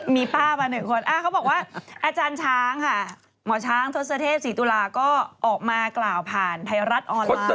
มีป้ามา๑คนเขาบอกว่าอชค่ะหมอช้างทศเทพศรีตุราก็ออกมากล่าวผ่านไทรรัสออนไลน์